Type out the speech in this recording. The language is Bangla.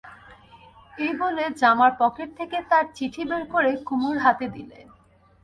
এই বলে জামার পকেট থেকে তার চিঠি বের করে কুমুর হাতে দিলে।